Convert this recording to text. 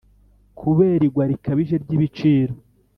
kubera igwa rikabije ry'ibiciro,